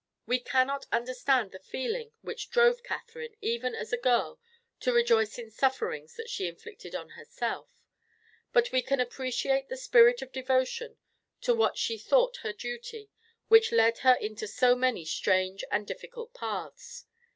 We cannot understand the feeling which drove Catherine, even as a girl, to rejoice in sufferings that she inflicted on herself, but we can appreciate the spirit of devotion to what she thought her duty which led her into so many strange and difficult paths.